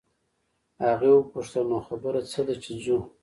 هغې وپوښتل نو خبره څه ده چې ځو.